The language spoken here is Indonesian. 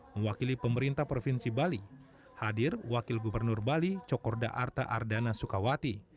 mewakili pemerintah provinsi bali hadir wakil gubernur bali cokorda arta ardana sukawati